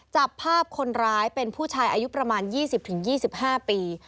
จับภาพคนร้ายเป็นผู้ชายอายุประมาณ๒๐๒๕ปี